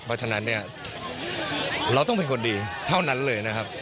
เพราะฉะนั้นเนี่ยเราต้องเป็นคนดีเท่านั้นเลยนะครับ